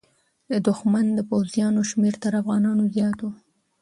د دښمن د پوځونو شمېر تر افغانانو زیات و.